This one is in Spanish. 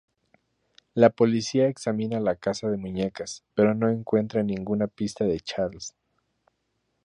La policía examina la casa de muñecas, pero no encuentra ninguna pista de Charles.